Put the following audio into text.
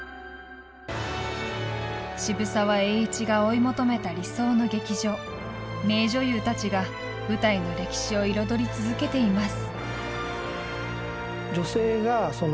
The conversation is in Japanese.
渋沢栄一が追い求めた理想の劇場名女優たちが舞台の歴史を彩り続けています。